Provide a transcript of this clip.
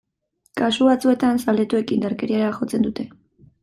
Kasu batzuetan, zaletuek indarkeriara jotzen dute.